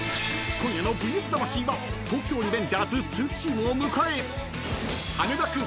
［今夜の『ＶＳ魂』は東京リベンジャーズ２チームを迎え］